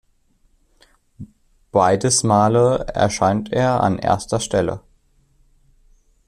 Beides Male erscheint er an erster Stelle.